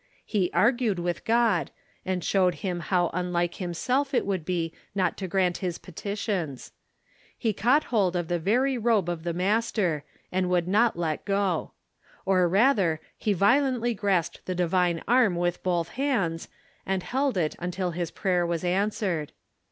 He argued with God, and showed him how unlike himself it would be not to grant his petitions. He caught hold of the very robe of the Master, and would not let it go. Or, rather, be vio lently grasped the divine arm with both hands, and held it until his prayer was answered.